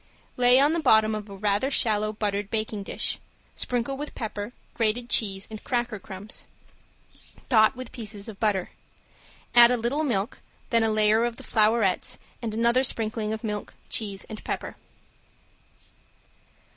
Lay on the bottom of a rather shallow buttered baking dish, sprinkle with pepper, grated cheese and cracker crumbs. Dot with pieces of butter. Add a little milk, then a layer of the flowerets and another sprinkling of milk, cheese and pepper.